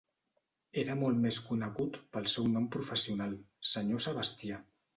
Era molt més conegut pel seu nom professional, Sr. Sebastià.